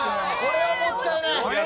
これはもったいない。